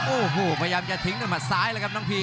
โอ้โหพยายามจะทิ้งด้วยหัดซ้ายแล้วครับน้องพี